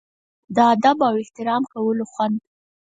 د ادب او احترام کولو خوند.